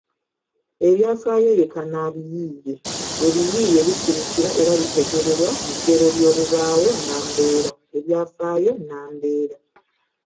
Ebyafaayo ye kannabiyiiye: ebiyiiye bisibukira era bitegeererwa mu ggero ly’obubaawo nnambeera – ebyafaayo nnambeera.